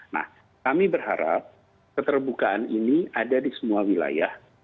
nah kami berharap keterbukaan ini ada di semua wilayah